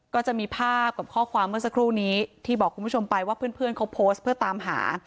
ก็จะมีภาพกับข้อความเมื่อสักครู่นี้ที่บอกคุณผู้ชมไปว่าเพื่อนเขาโพสต์เพื่อตามหา